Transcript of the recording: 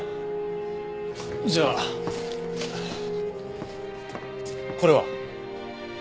じゃあこれは？